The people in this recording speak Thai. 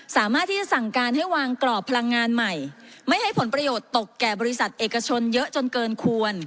สามารถที่จะสั่งการให้วางกรอบพลังงานใหม่ไม่ให้ผลประโยชน์ตกแก่บริษัทเอกชนเยอะจนเกินควร